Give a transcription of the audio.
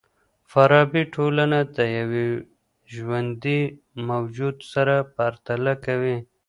فارابي ټولنه د یوه ژوندي موجود سره پرتله کوي.